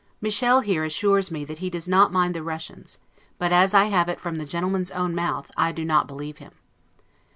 Michel here assures me that he does not mind the Russians; but, as I have it from the gentleman's own mouth, I do not believe him.